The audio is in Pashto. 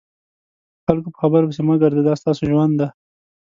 د خلکو په خبرو پسې مه ګرځه دا ستاسو ژوند دی.